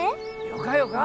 よかよか。